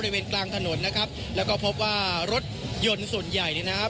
บริเวณกลางถนนนะครับแล้วก็พบว่ารถยนต์ส่วนใหญ่เนี่ยนะครับ